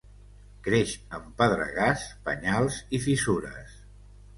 Creix en pedregars, penyals i fissures.